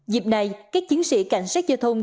dịp này các chiến sĩ cảnh sát giao thông